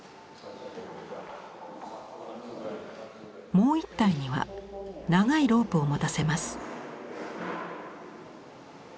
もう１体には長いロープを持たせます。